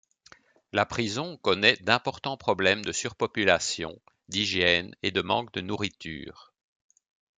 La prison connait d'importants problèmes de surpopulation, d'hygiène et de manque de nourriture.